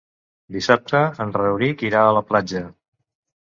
Dissabte en Rauric irà a la platja.